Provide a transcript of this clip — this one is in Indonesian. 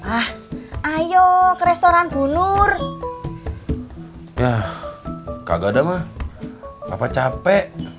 ah ayo ke restoran bu nur ya kagak ada mah apa capek